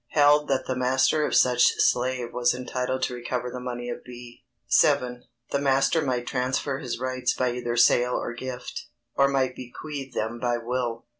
Held that the master of such slave was entitled to recover the money of B. VII. _The master might transfer his rights by either sale or gift, or might bequeath them by will.